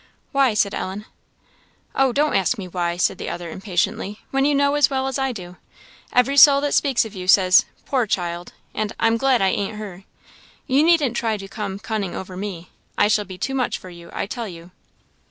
"Why?" said Ellen. "Oh, don't ask me why," said the other, impatiently, "when you know as well as I do. Every soul that speaks of you, says 'poor child' and 'I'm glad I ain't her.' You needn't try to come cunning over me. I shall be too much for you, I tell you."